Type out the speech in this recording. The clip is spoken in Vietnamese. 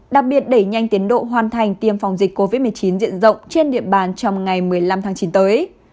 đặc biệt đẩy nhanh tiến độ hoàn thành tiêm phòng dịch covid một mươi chín diện rộng trên địa bàn trong ngày một mươi năm tháng chín tới